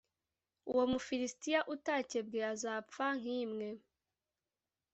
uwo mufilisitiya utakebwe azapfa nk imwe